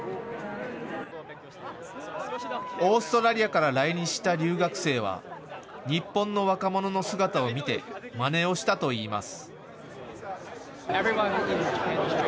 オーストラリアから来日した留学生は日本の若者の姿を見てまねをしたといいます。